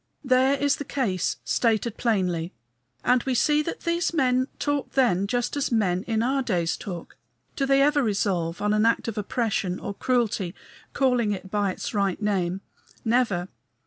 There is the case stated plainly, and we see that these men talked then just as men in our days talk. Do they ever resolve on an act of oppression or cruelty, calling it by its right name? Never.